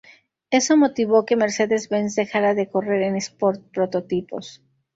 Eso motivó que Mercedes-Benz dejara de correr en sport prototipos.